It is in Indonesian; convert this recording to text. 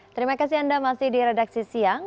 terima kasih anda masih di redaksi siang